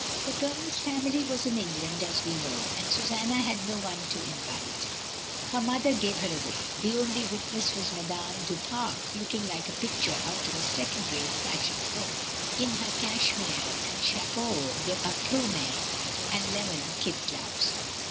The ColoneFs family was in England, as we know, and Susanna had no one to invite. Her mother gave her away. The only other witness was Madame du Pare, looking like a picture out of a second rate fashion book, in her cachetnire and chapeau d plumes and lemon kid gloves.